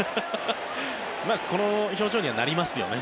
この表情にはなりますよね。